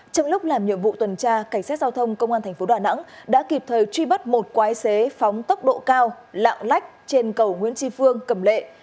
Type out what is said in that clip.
trong lúc làm nhiệm vụ tuần tra cảnh sát giao thông công an tp đà nẵng đã kịp thời truy bắt một quái xế phóng tốc độ cao lạng lách trên cầu nguyễn tri phương cầm lệ